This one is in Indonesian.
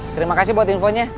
terima kasih buat infonya